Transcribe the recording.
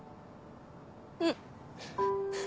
うん。